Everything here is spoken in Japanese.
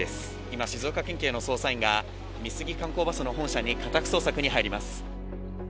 今、静岡県警の捜査員が美杉観光バスの本社に家宅捜索に入ります。